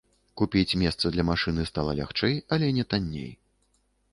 Купіць месца для машыны стала лягчэй, але не танней.